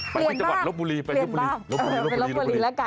ไปที่จังหวัดลบบุรีลบบุรีละกันเปลี่ยนมาก